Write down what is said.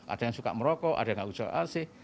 ada yang suka merokok ada yang gak suka asih